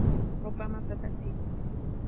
ربما ستأتي.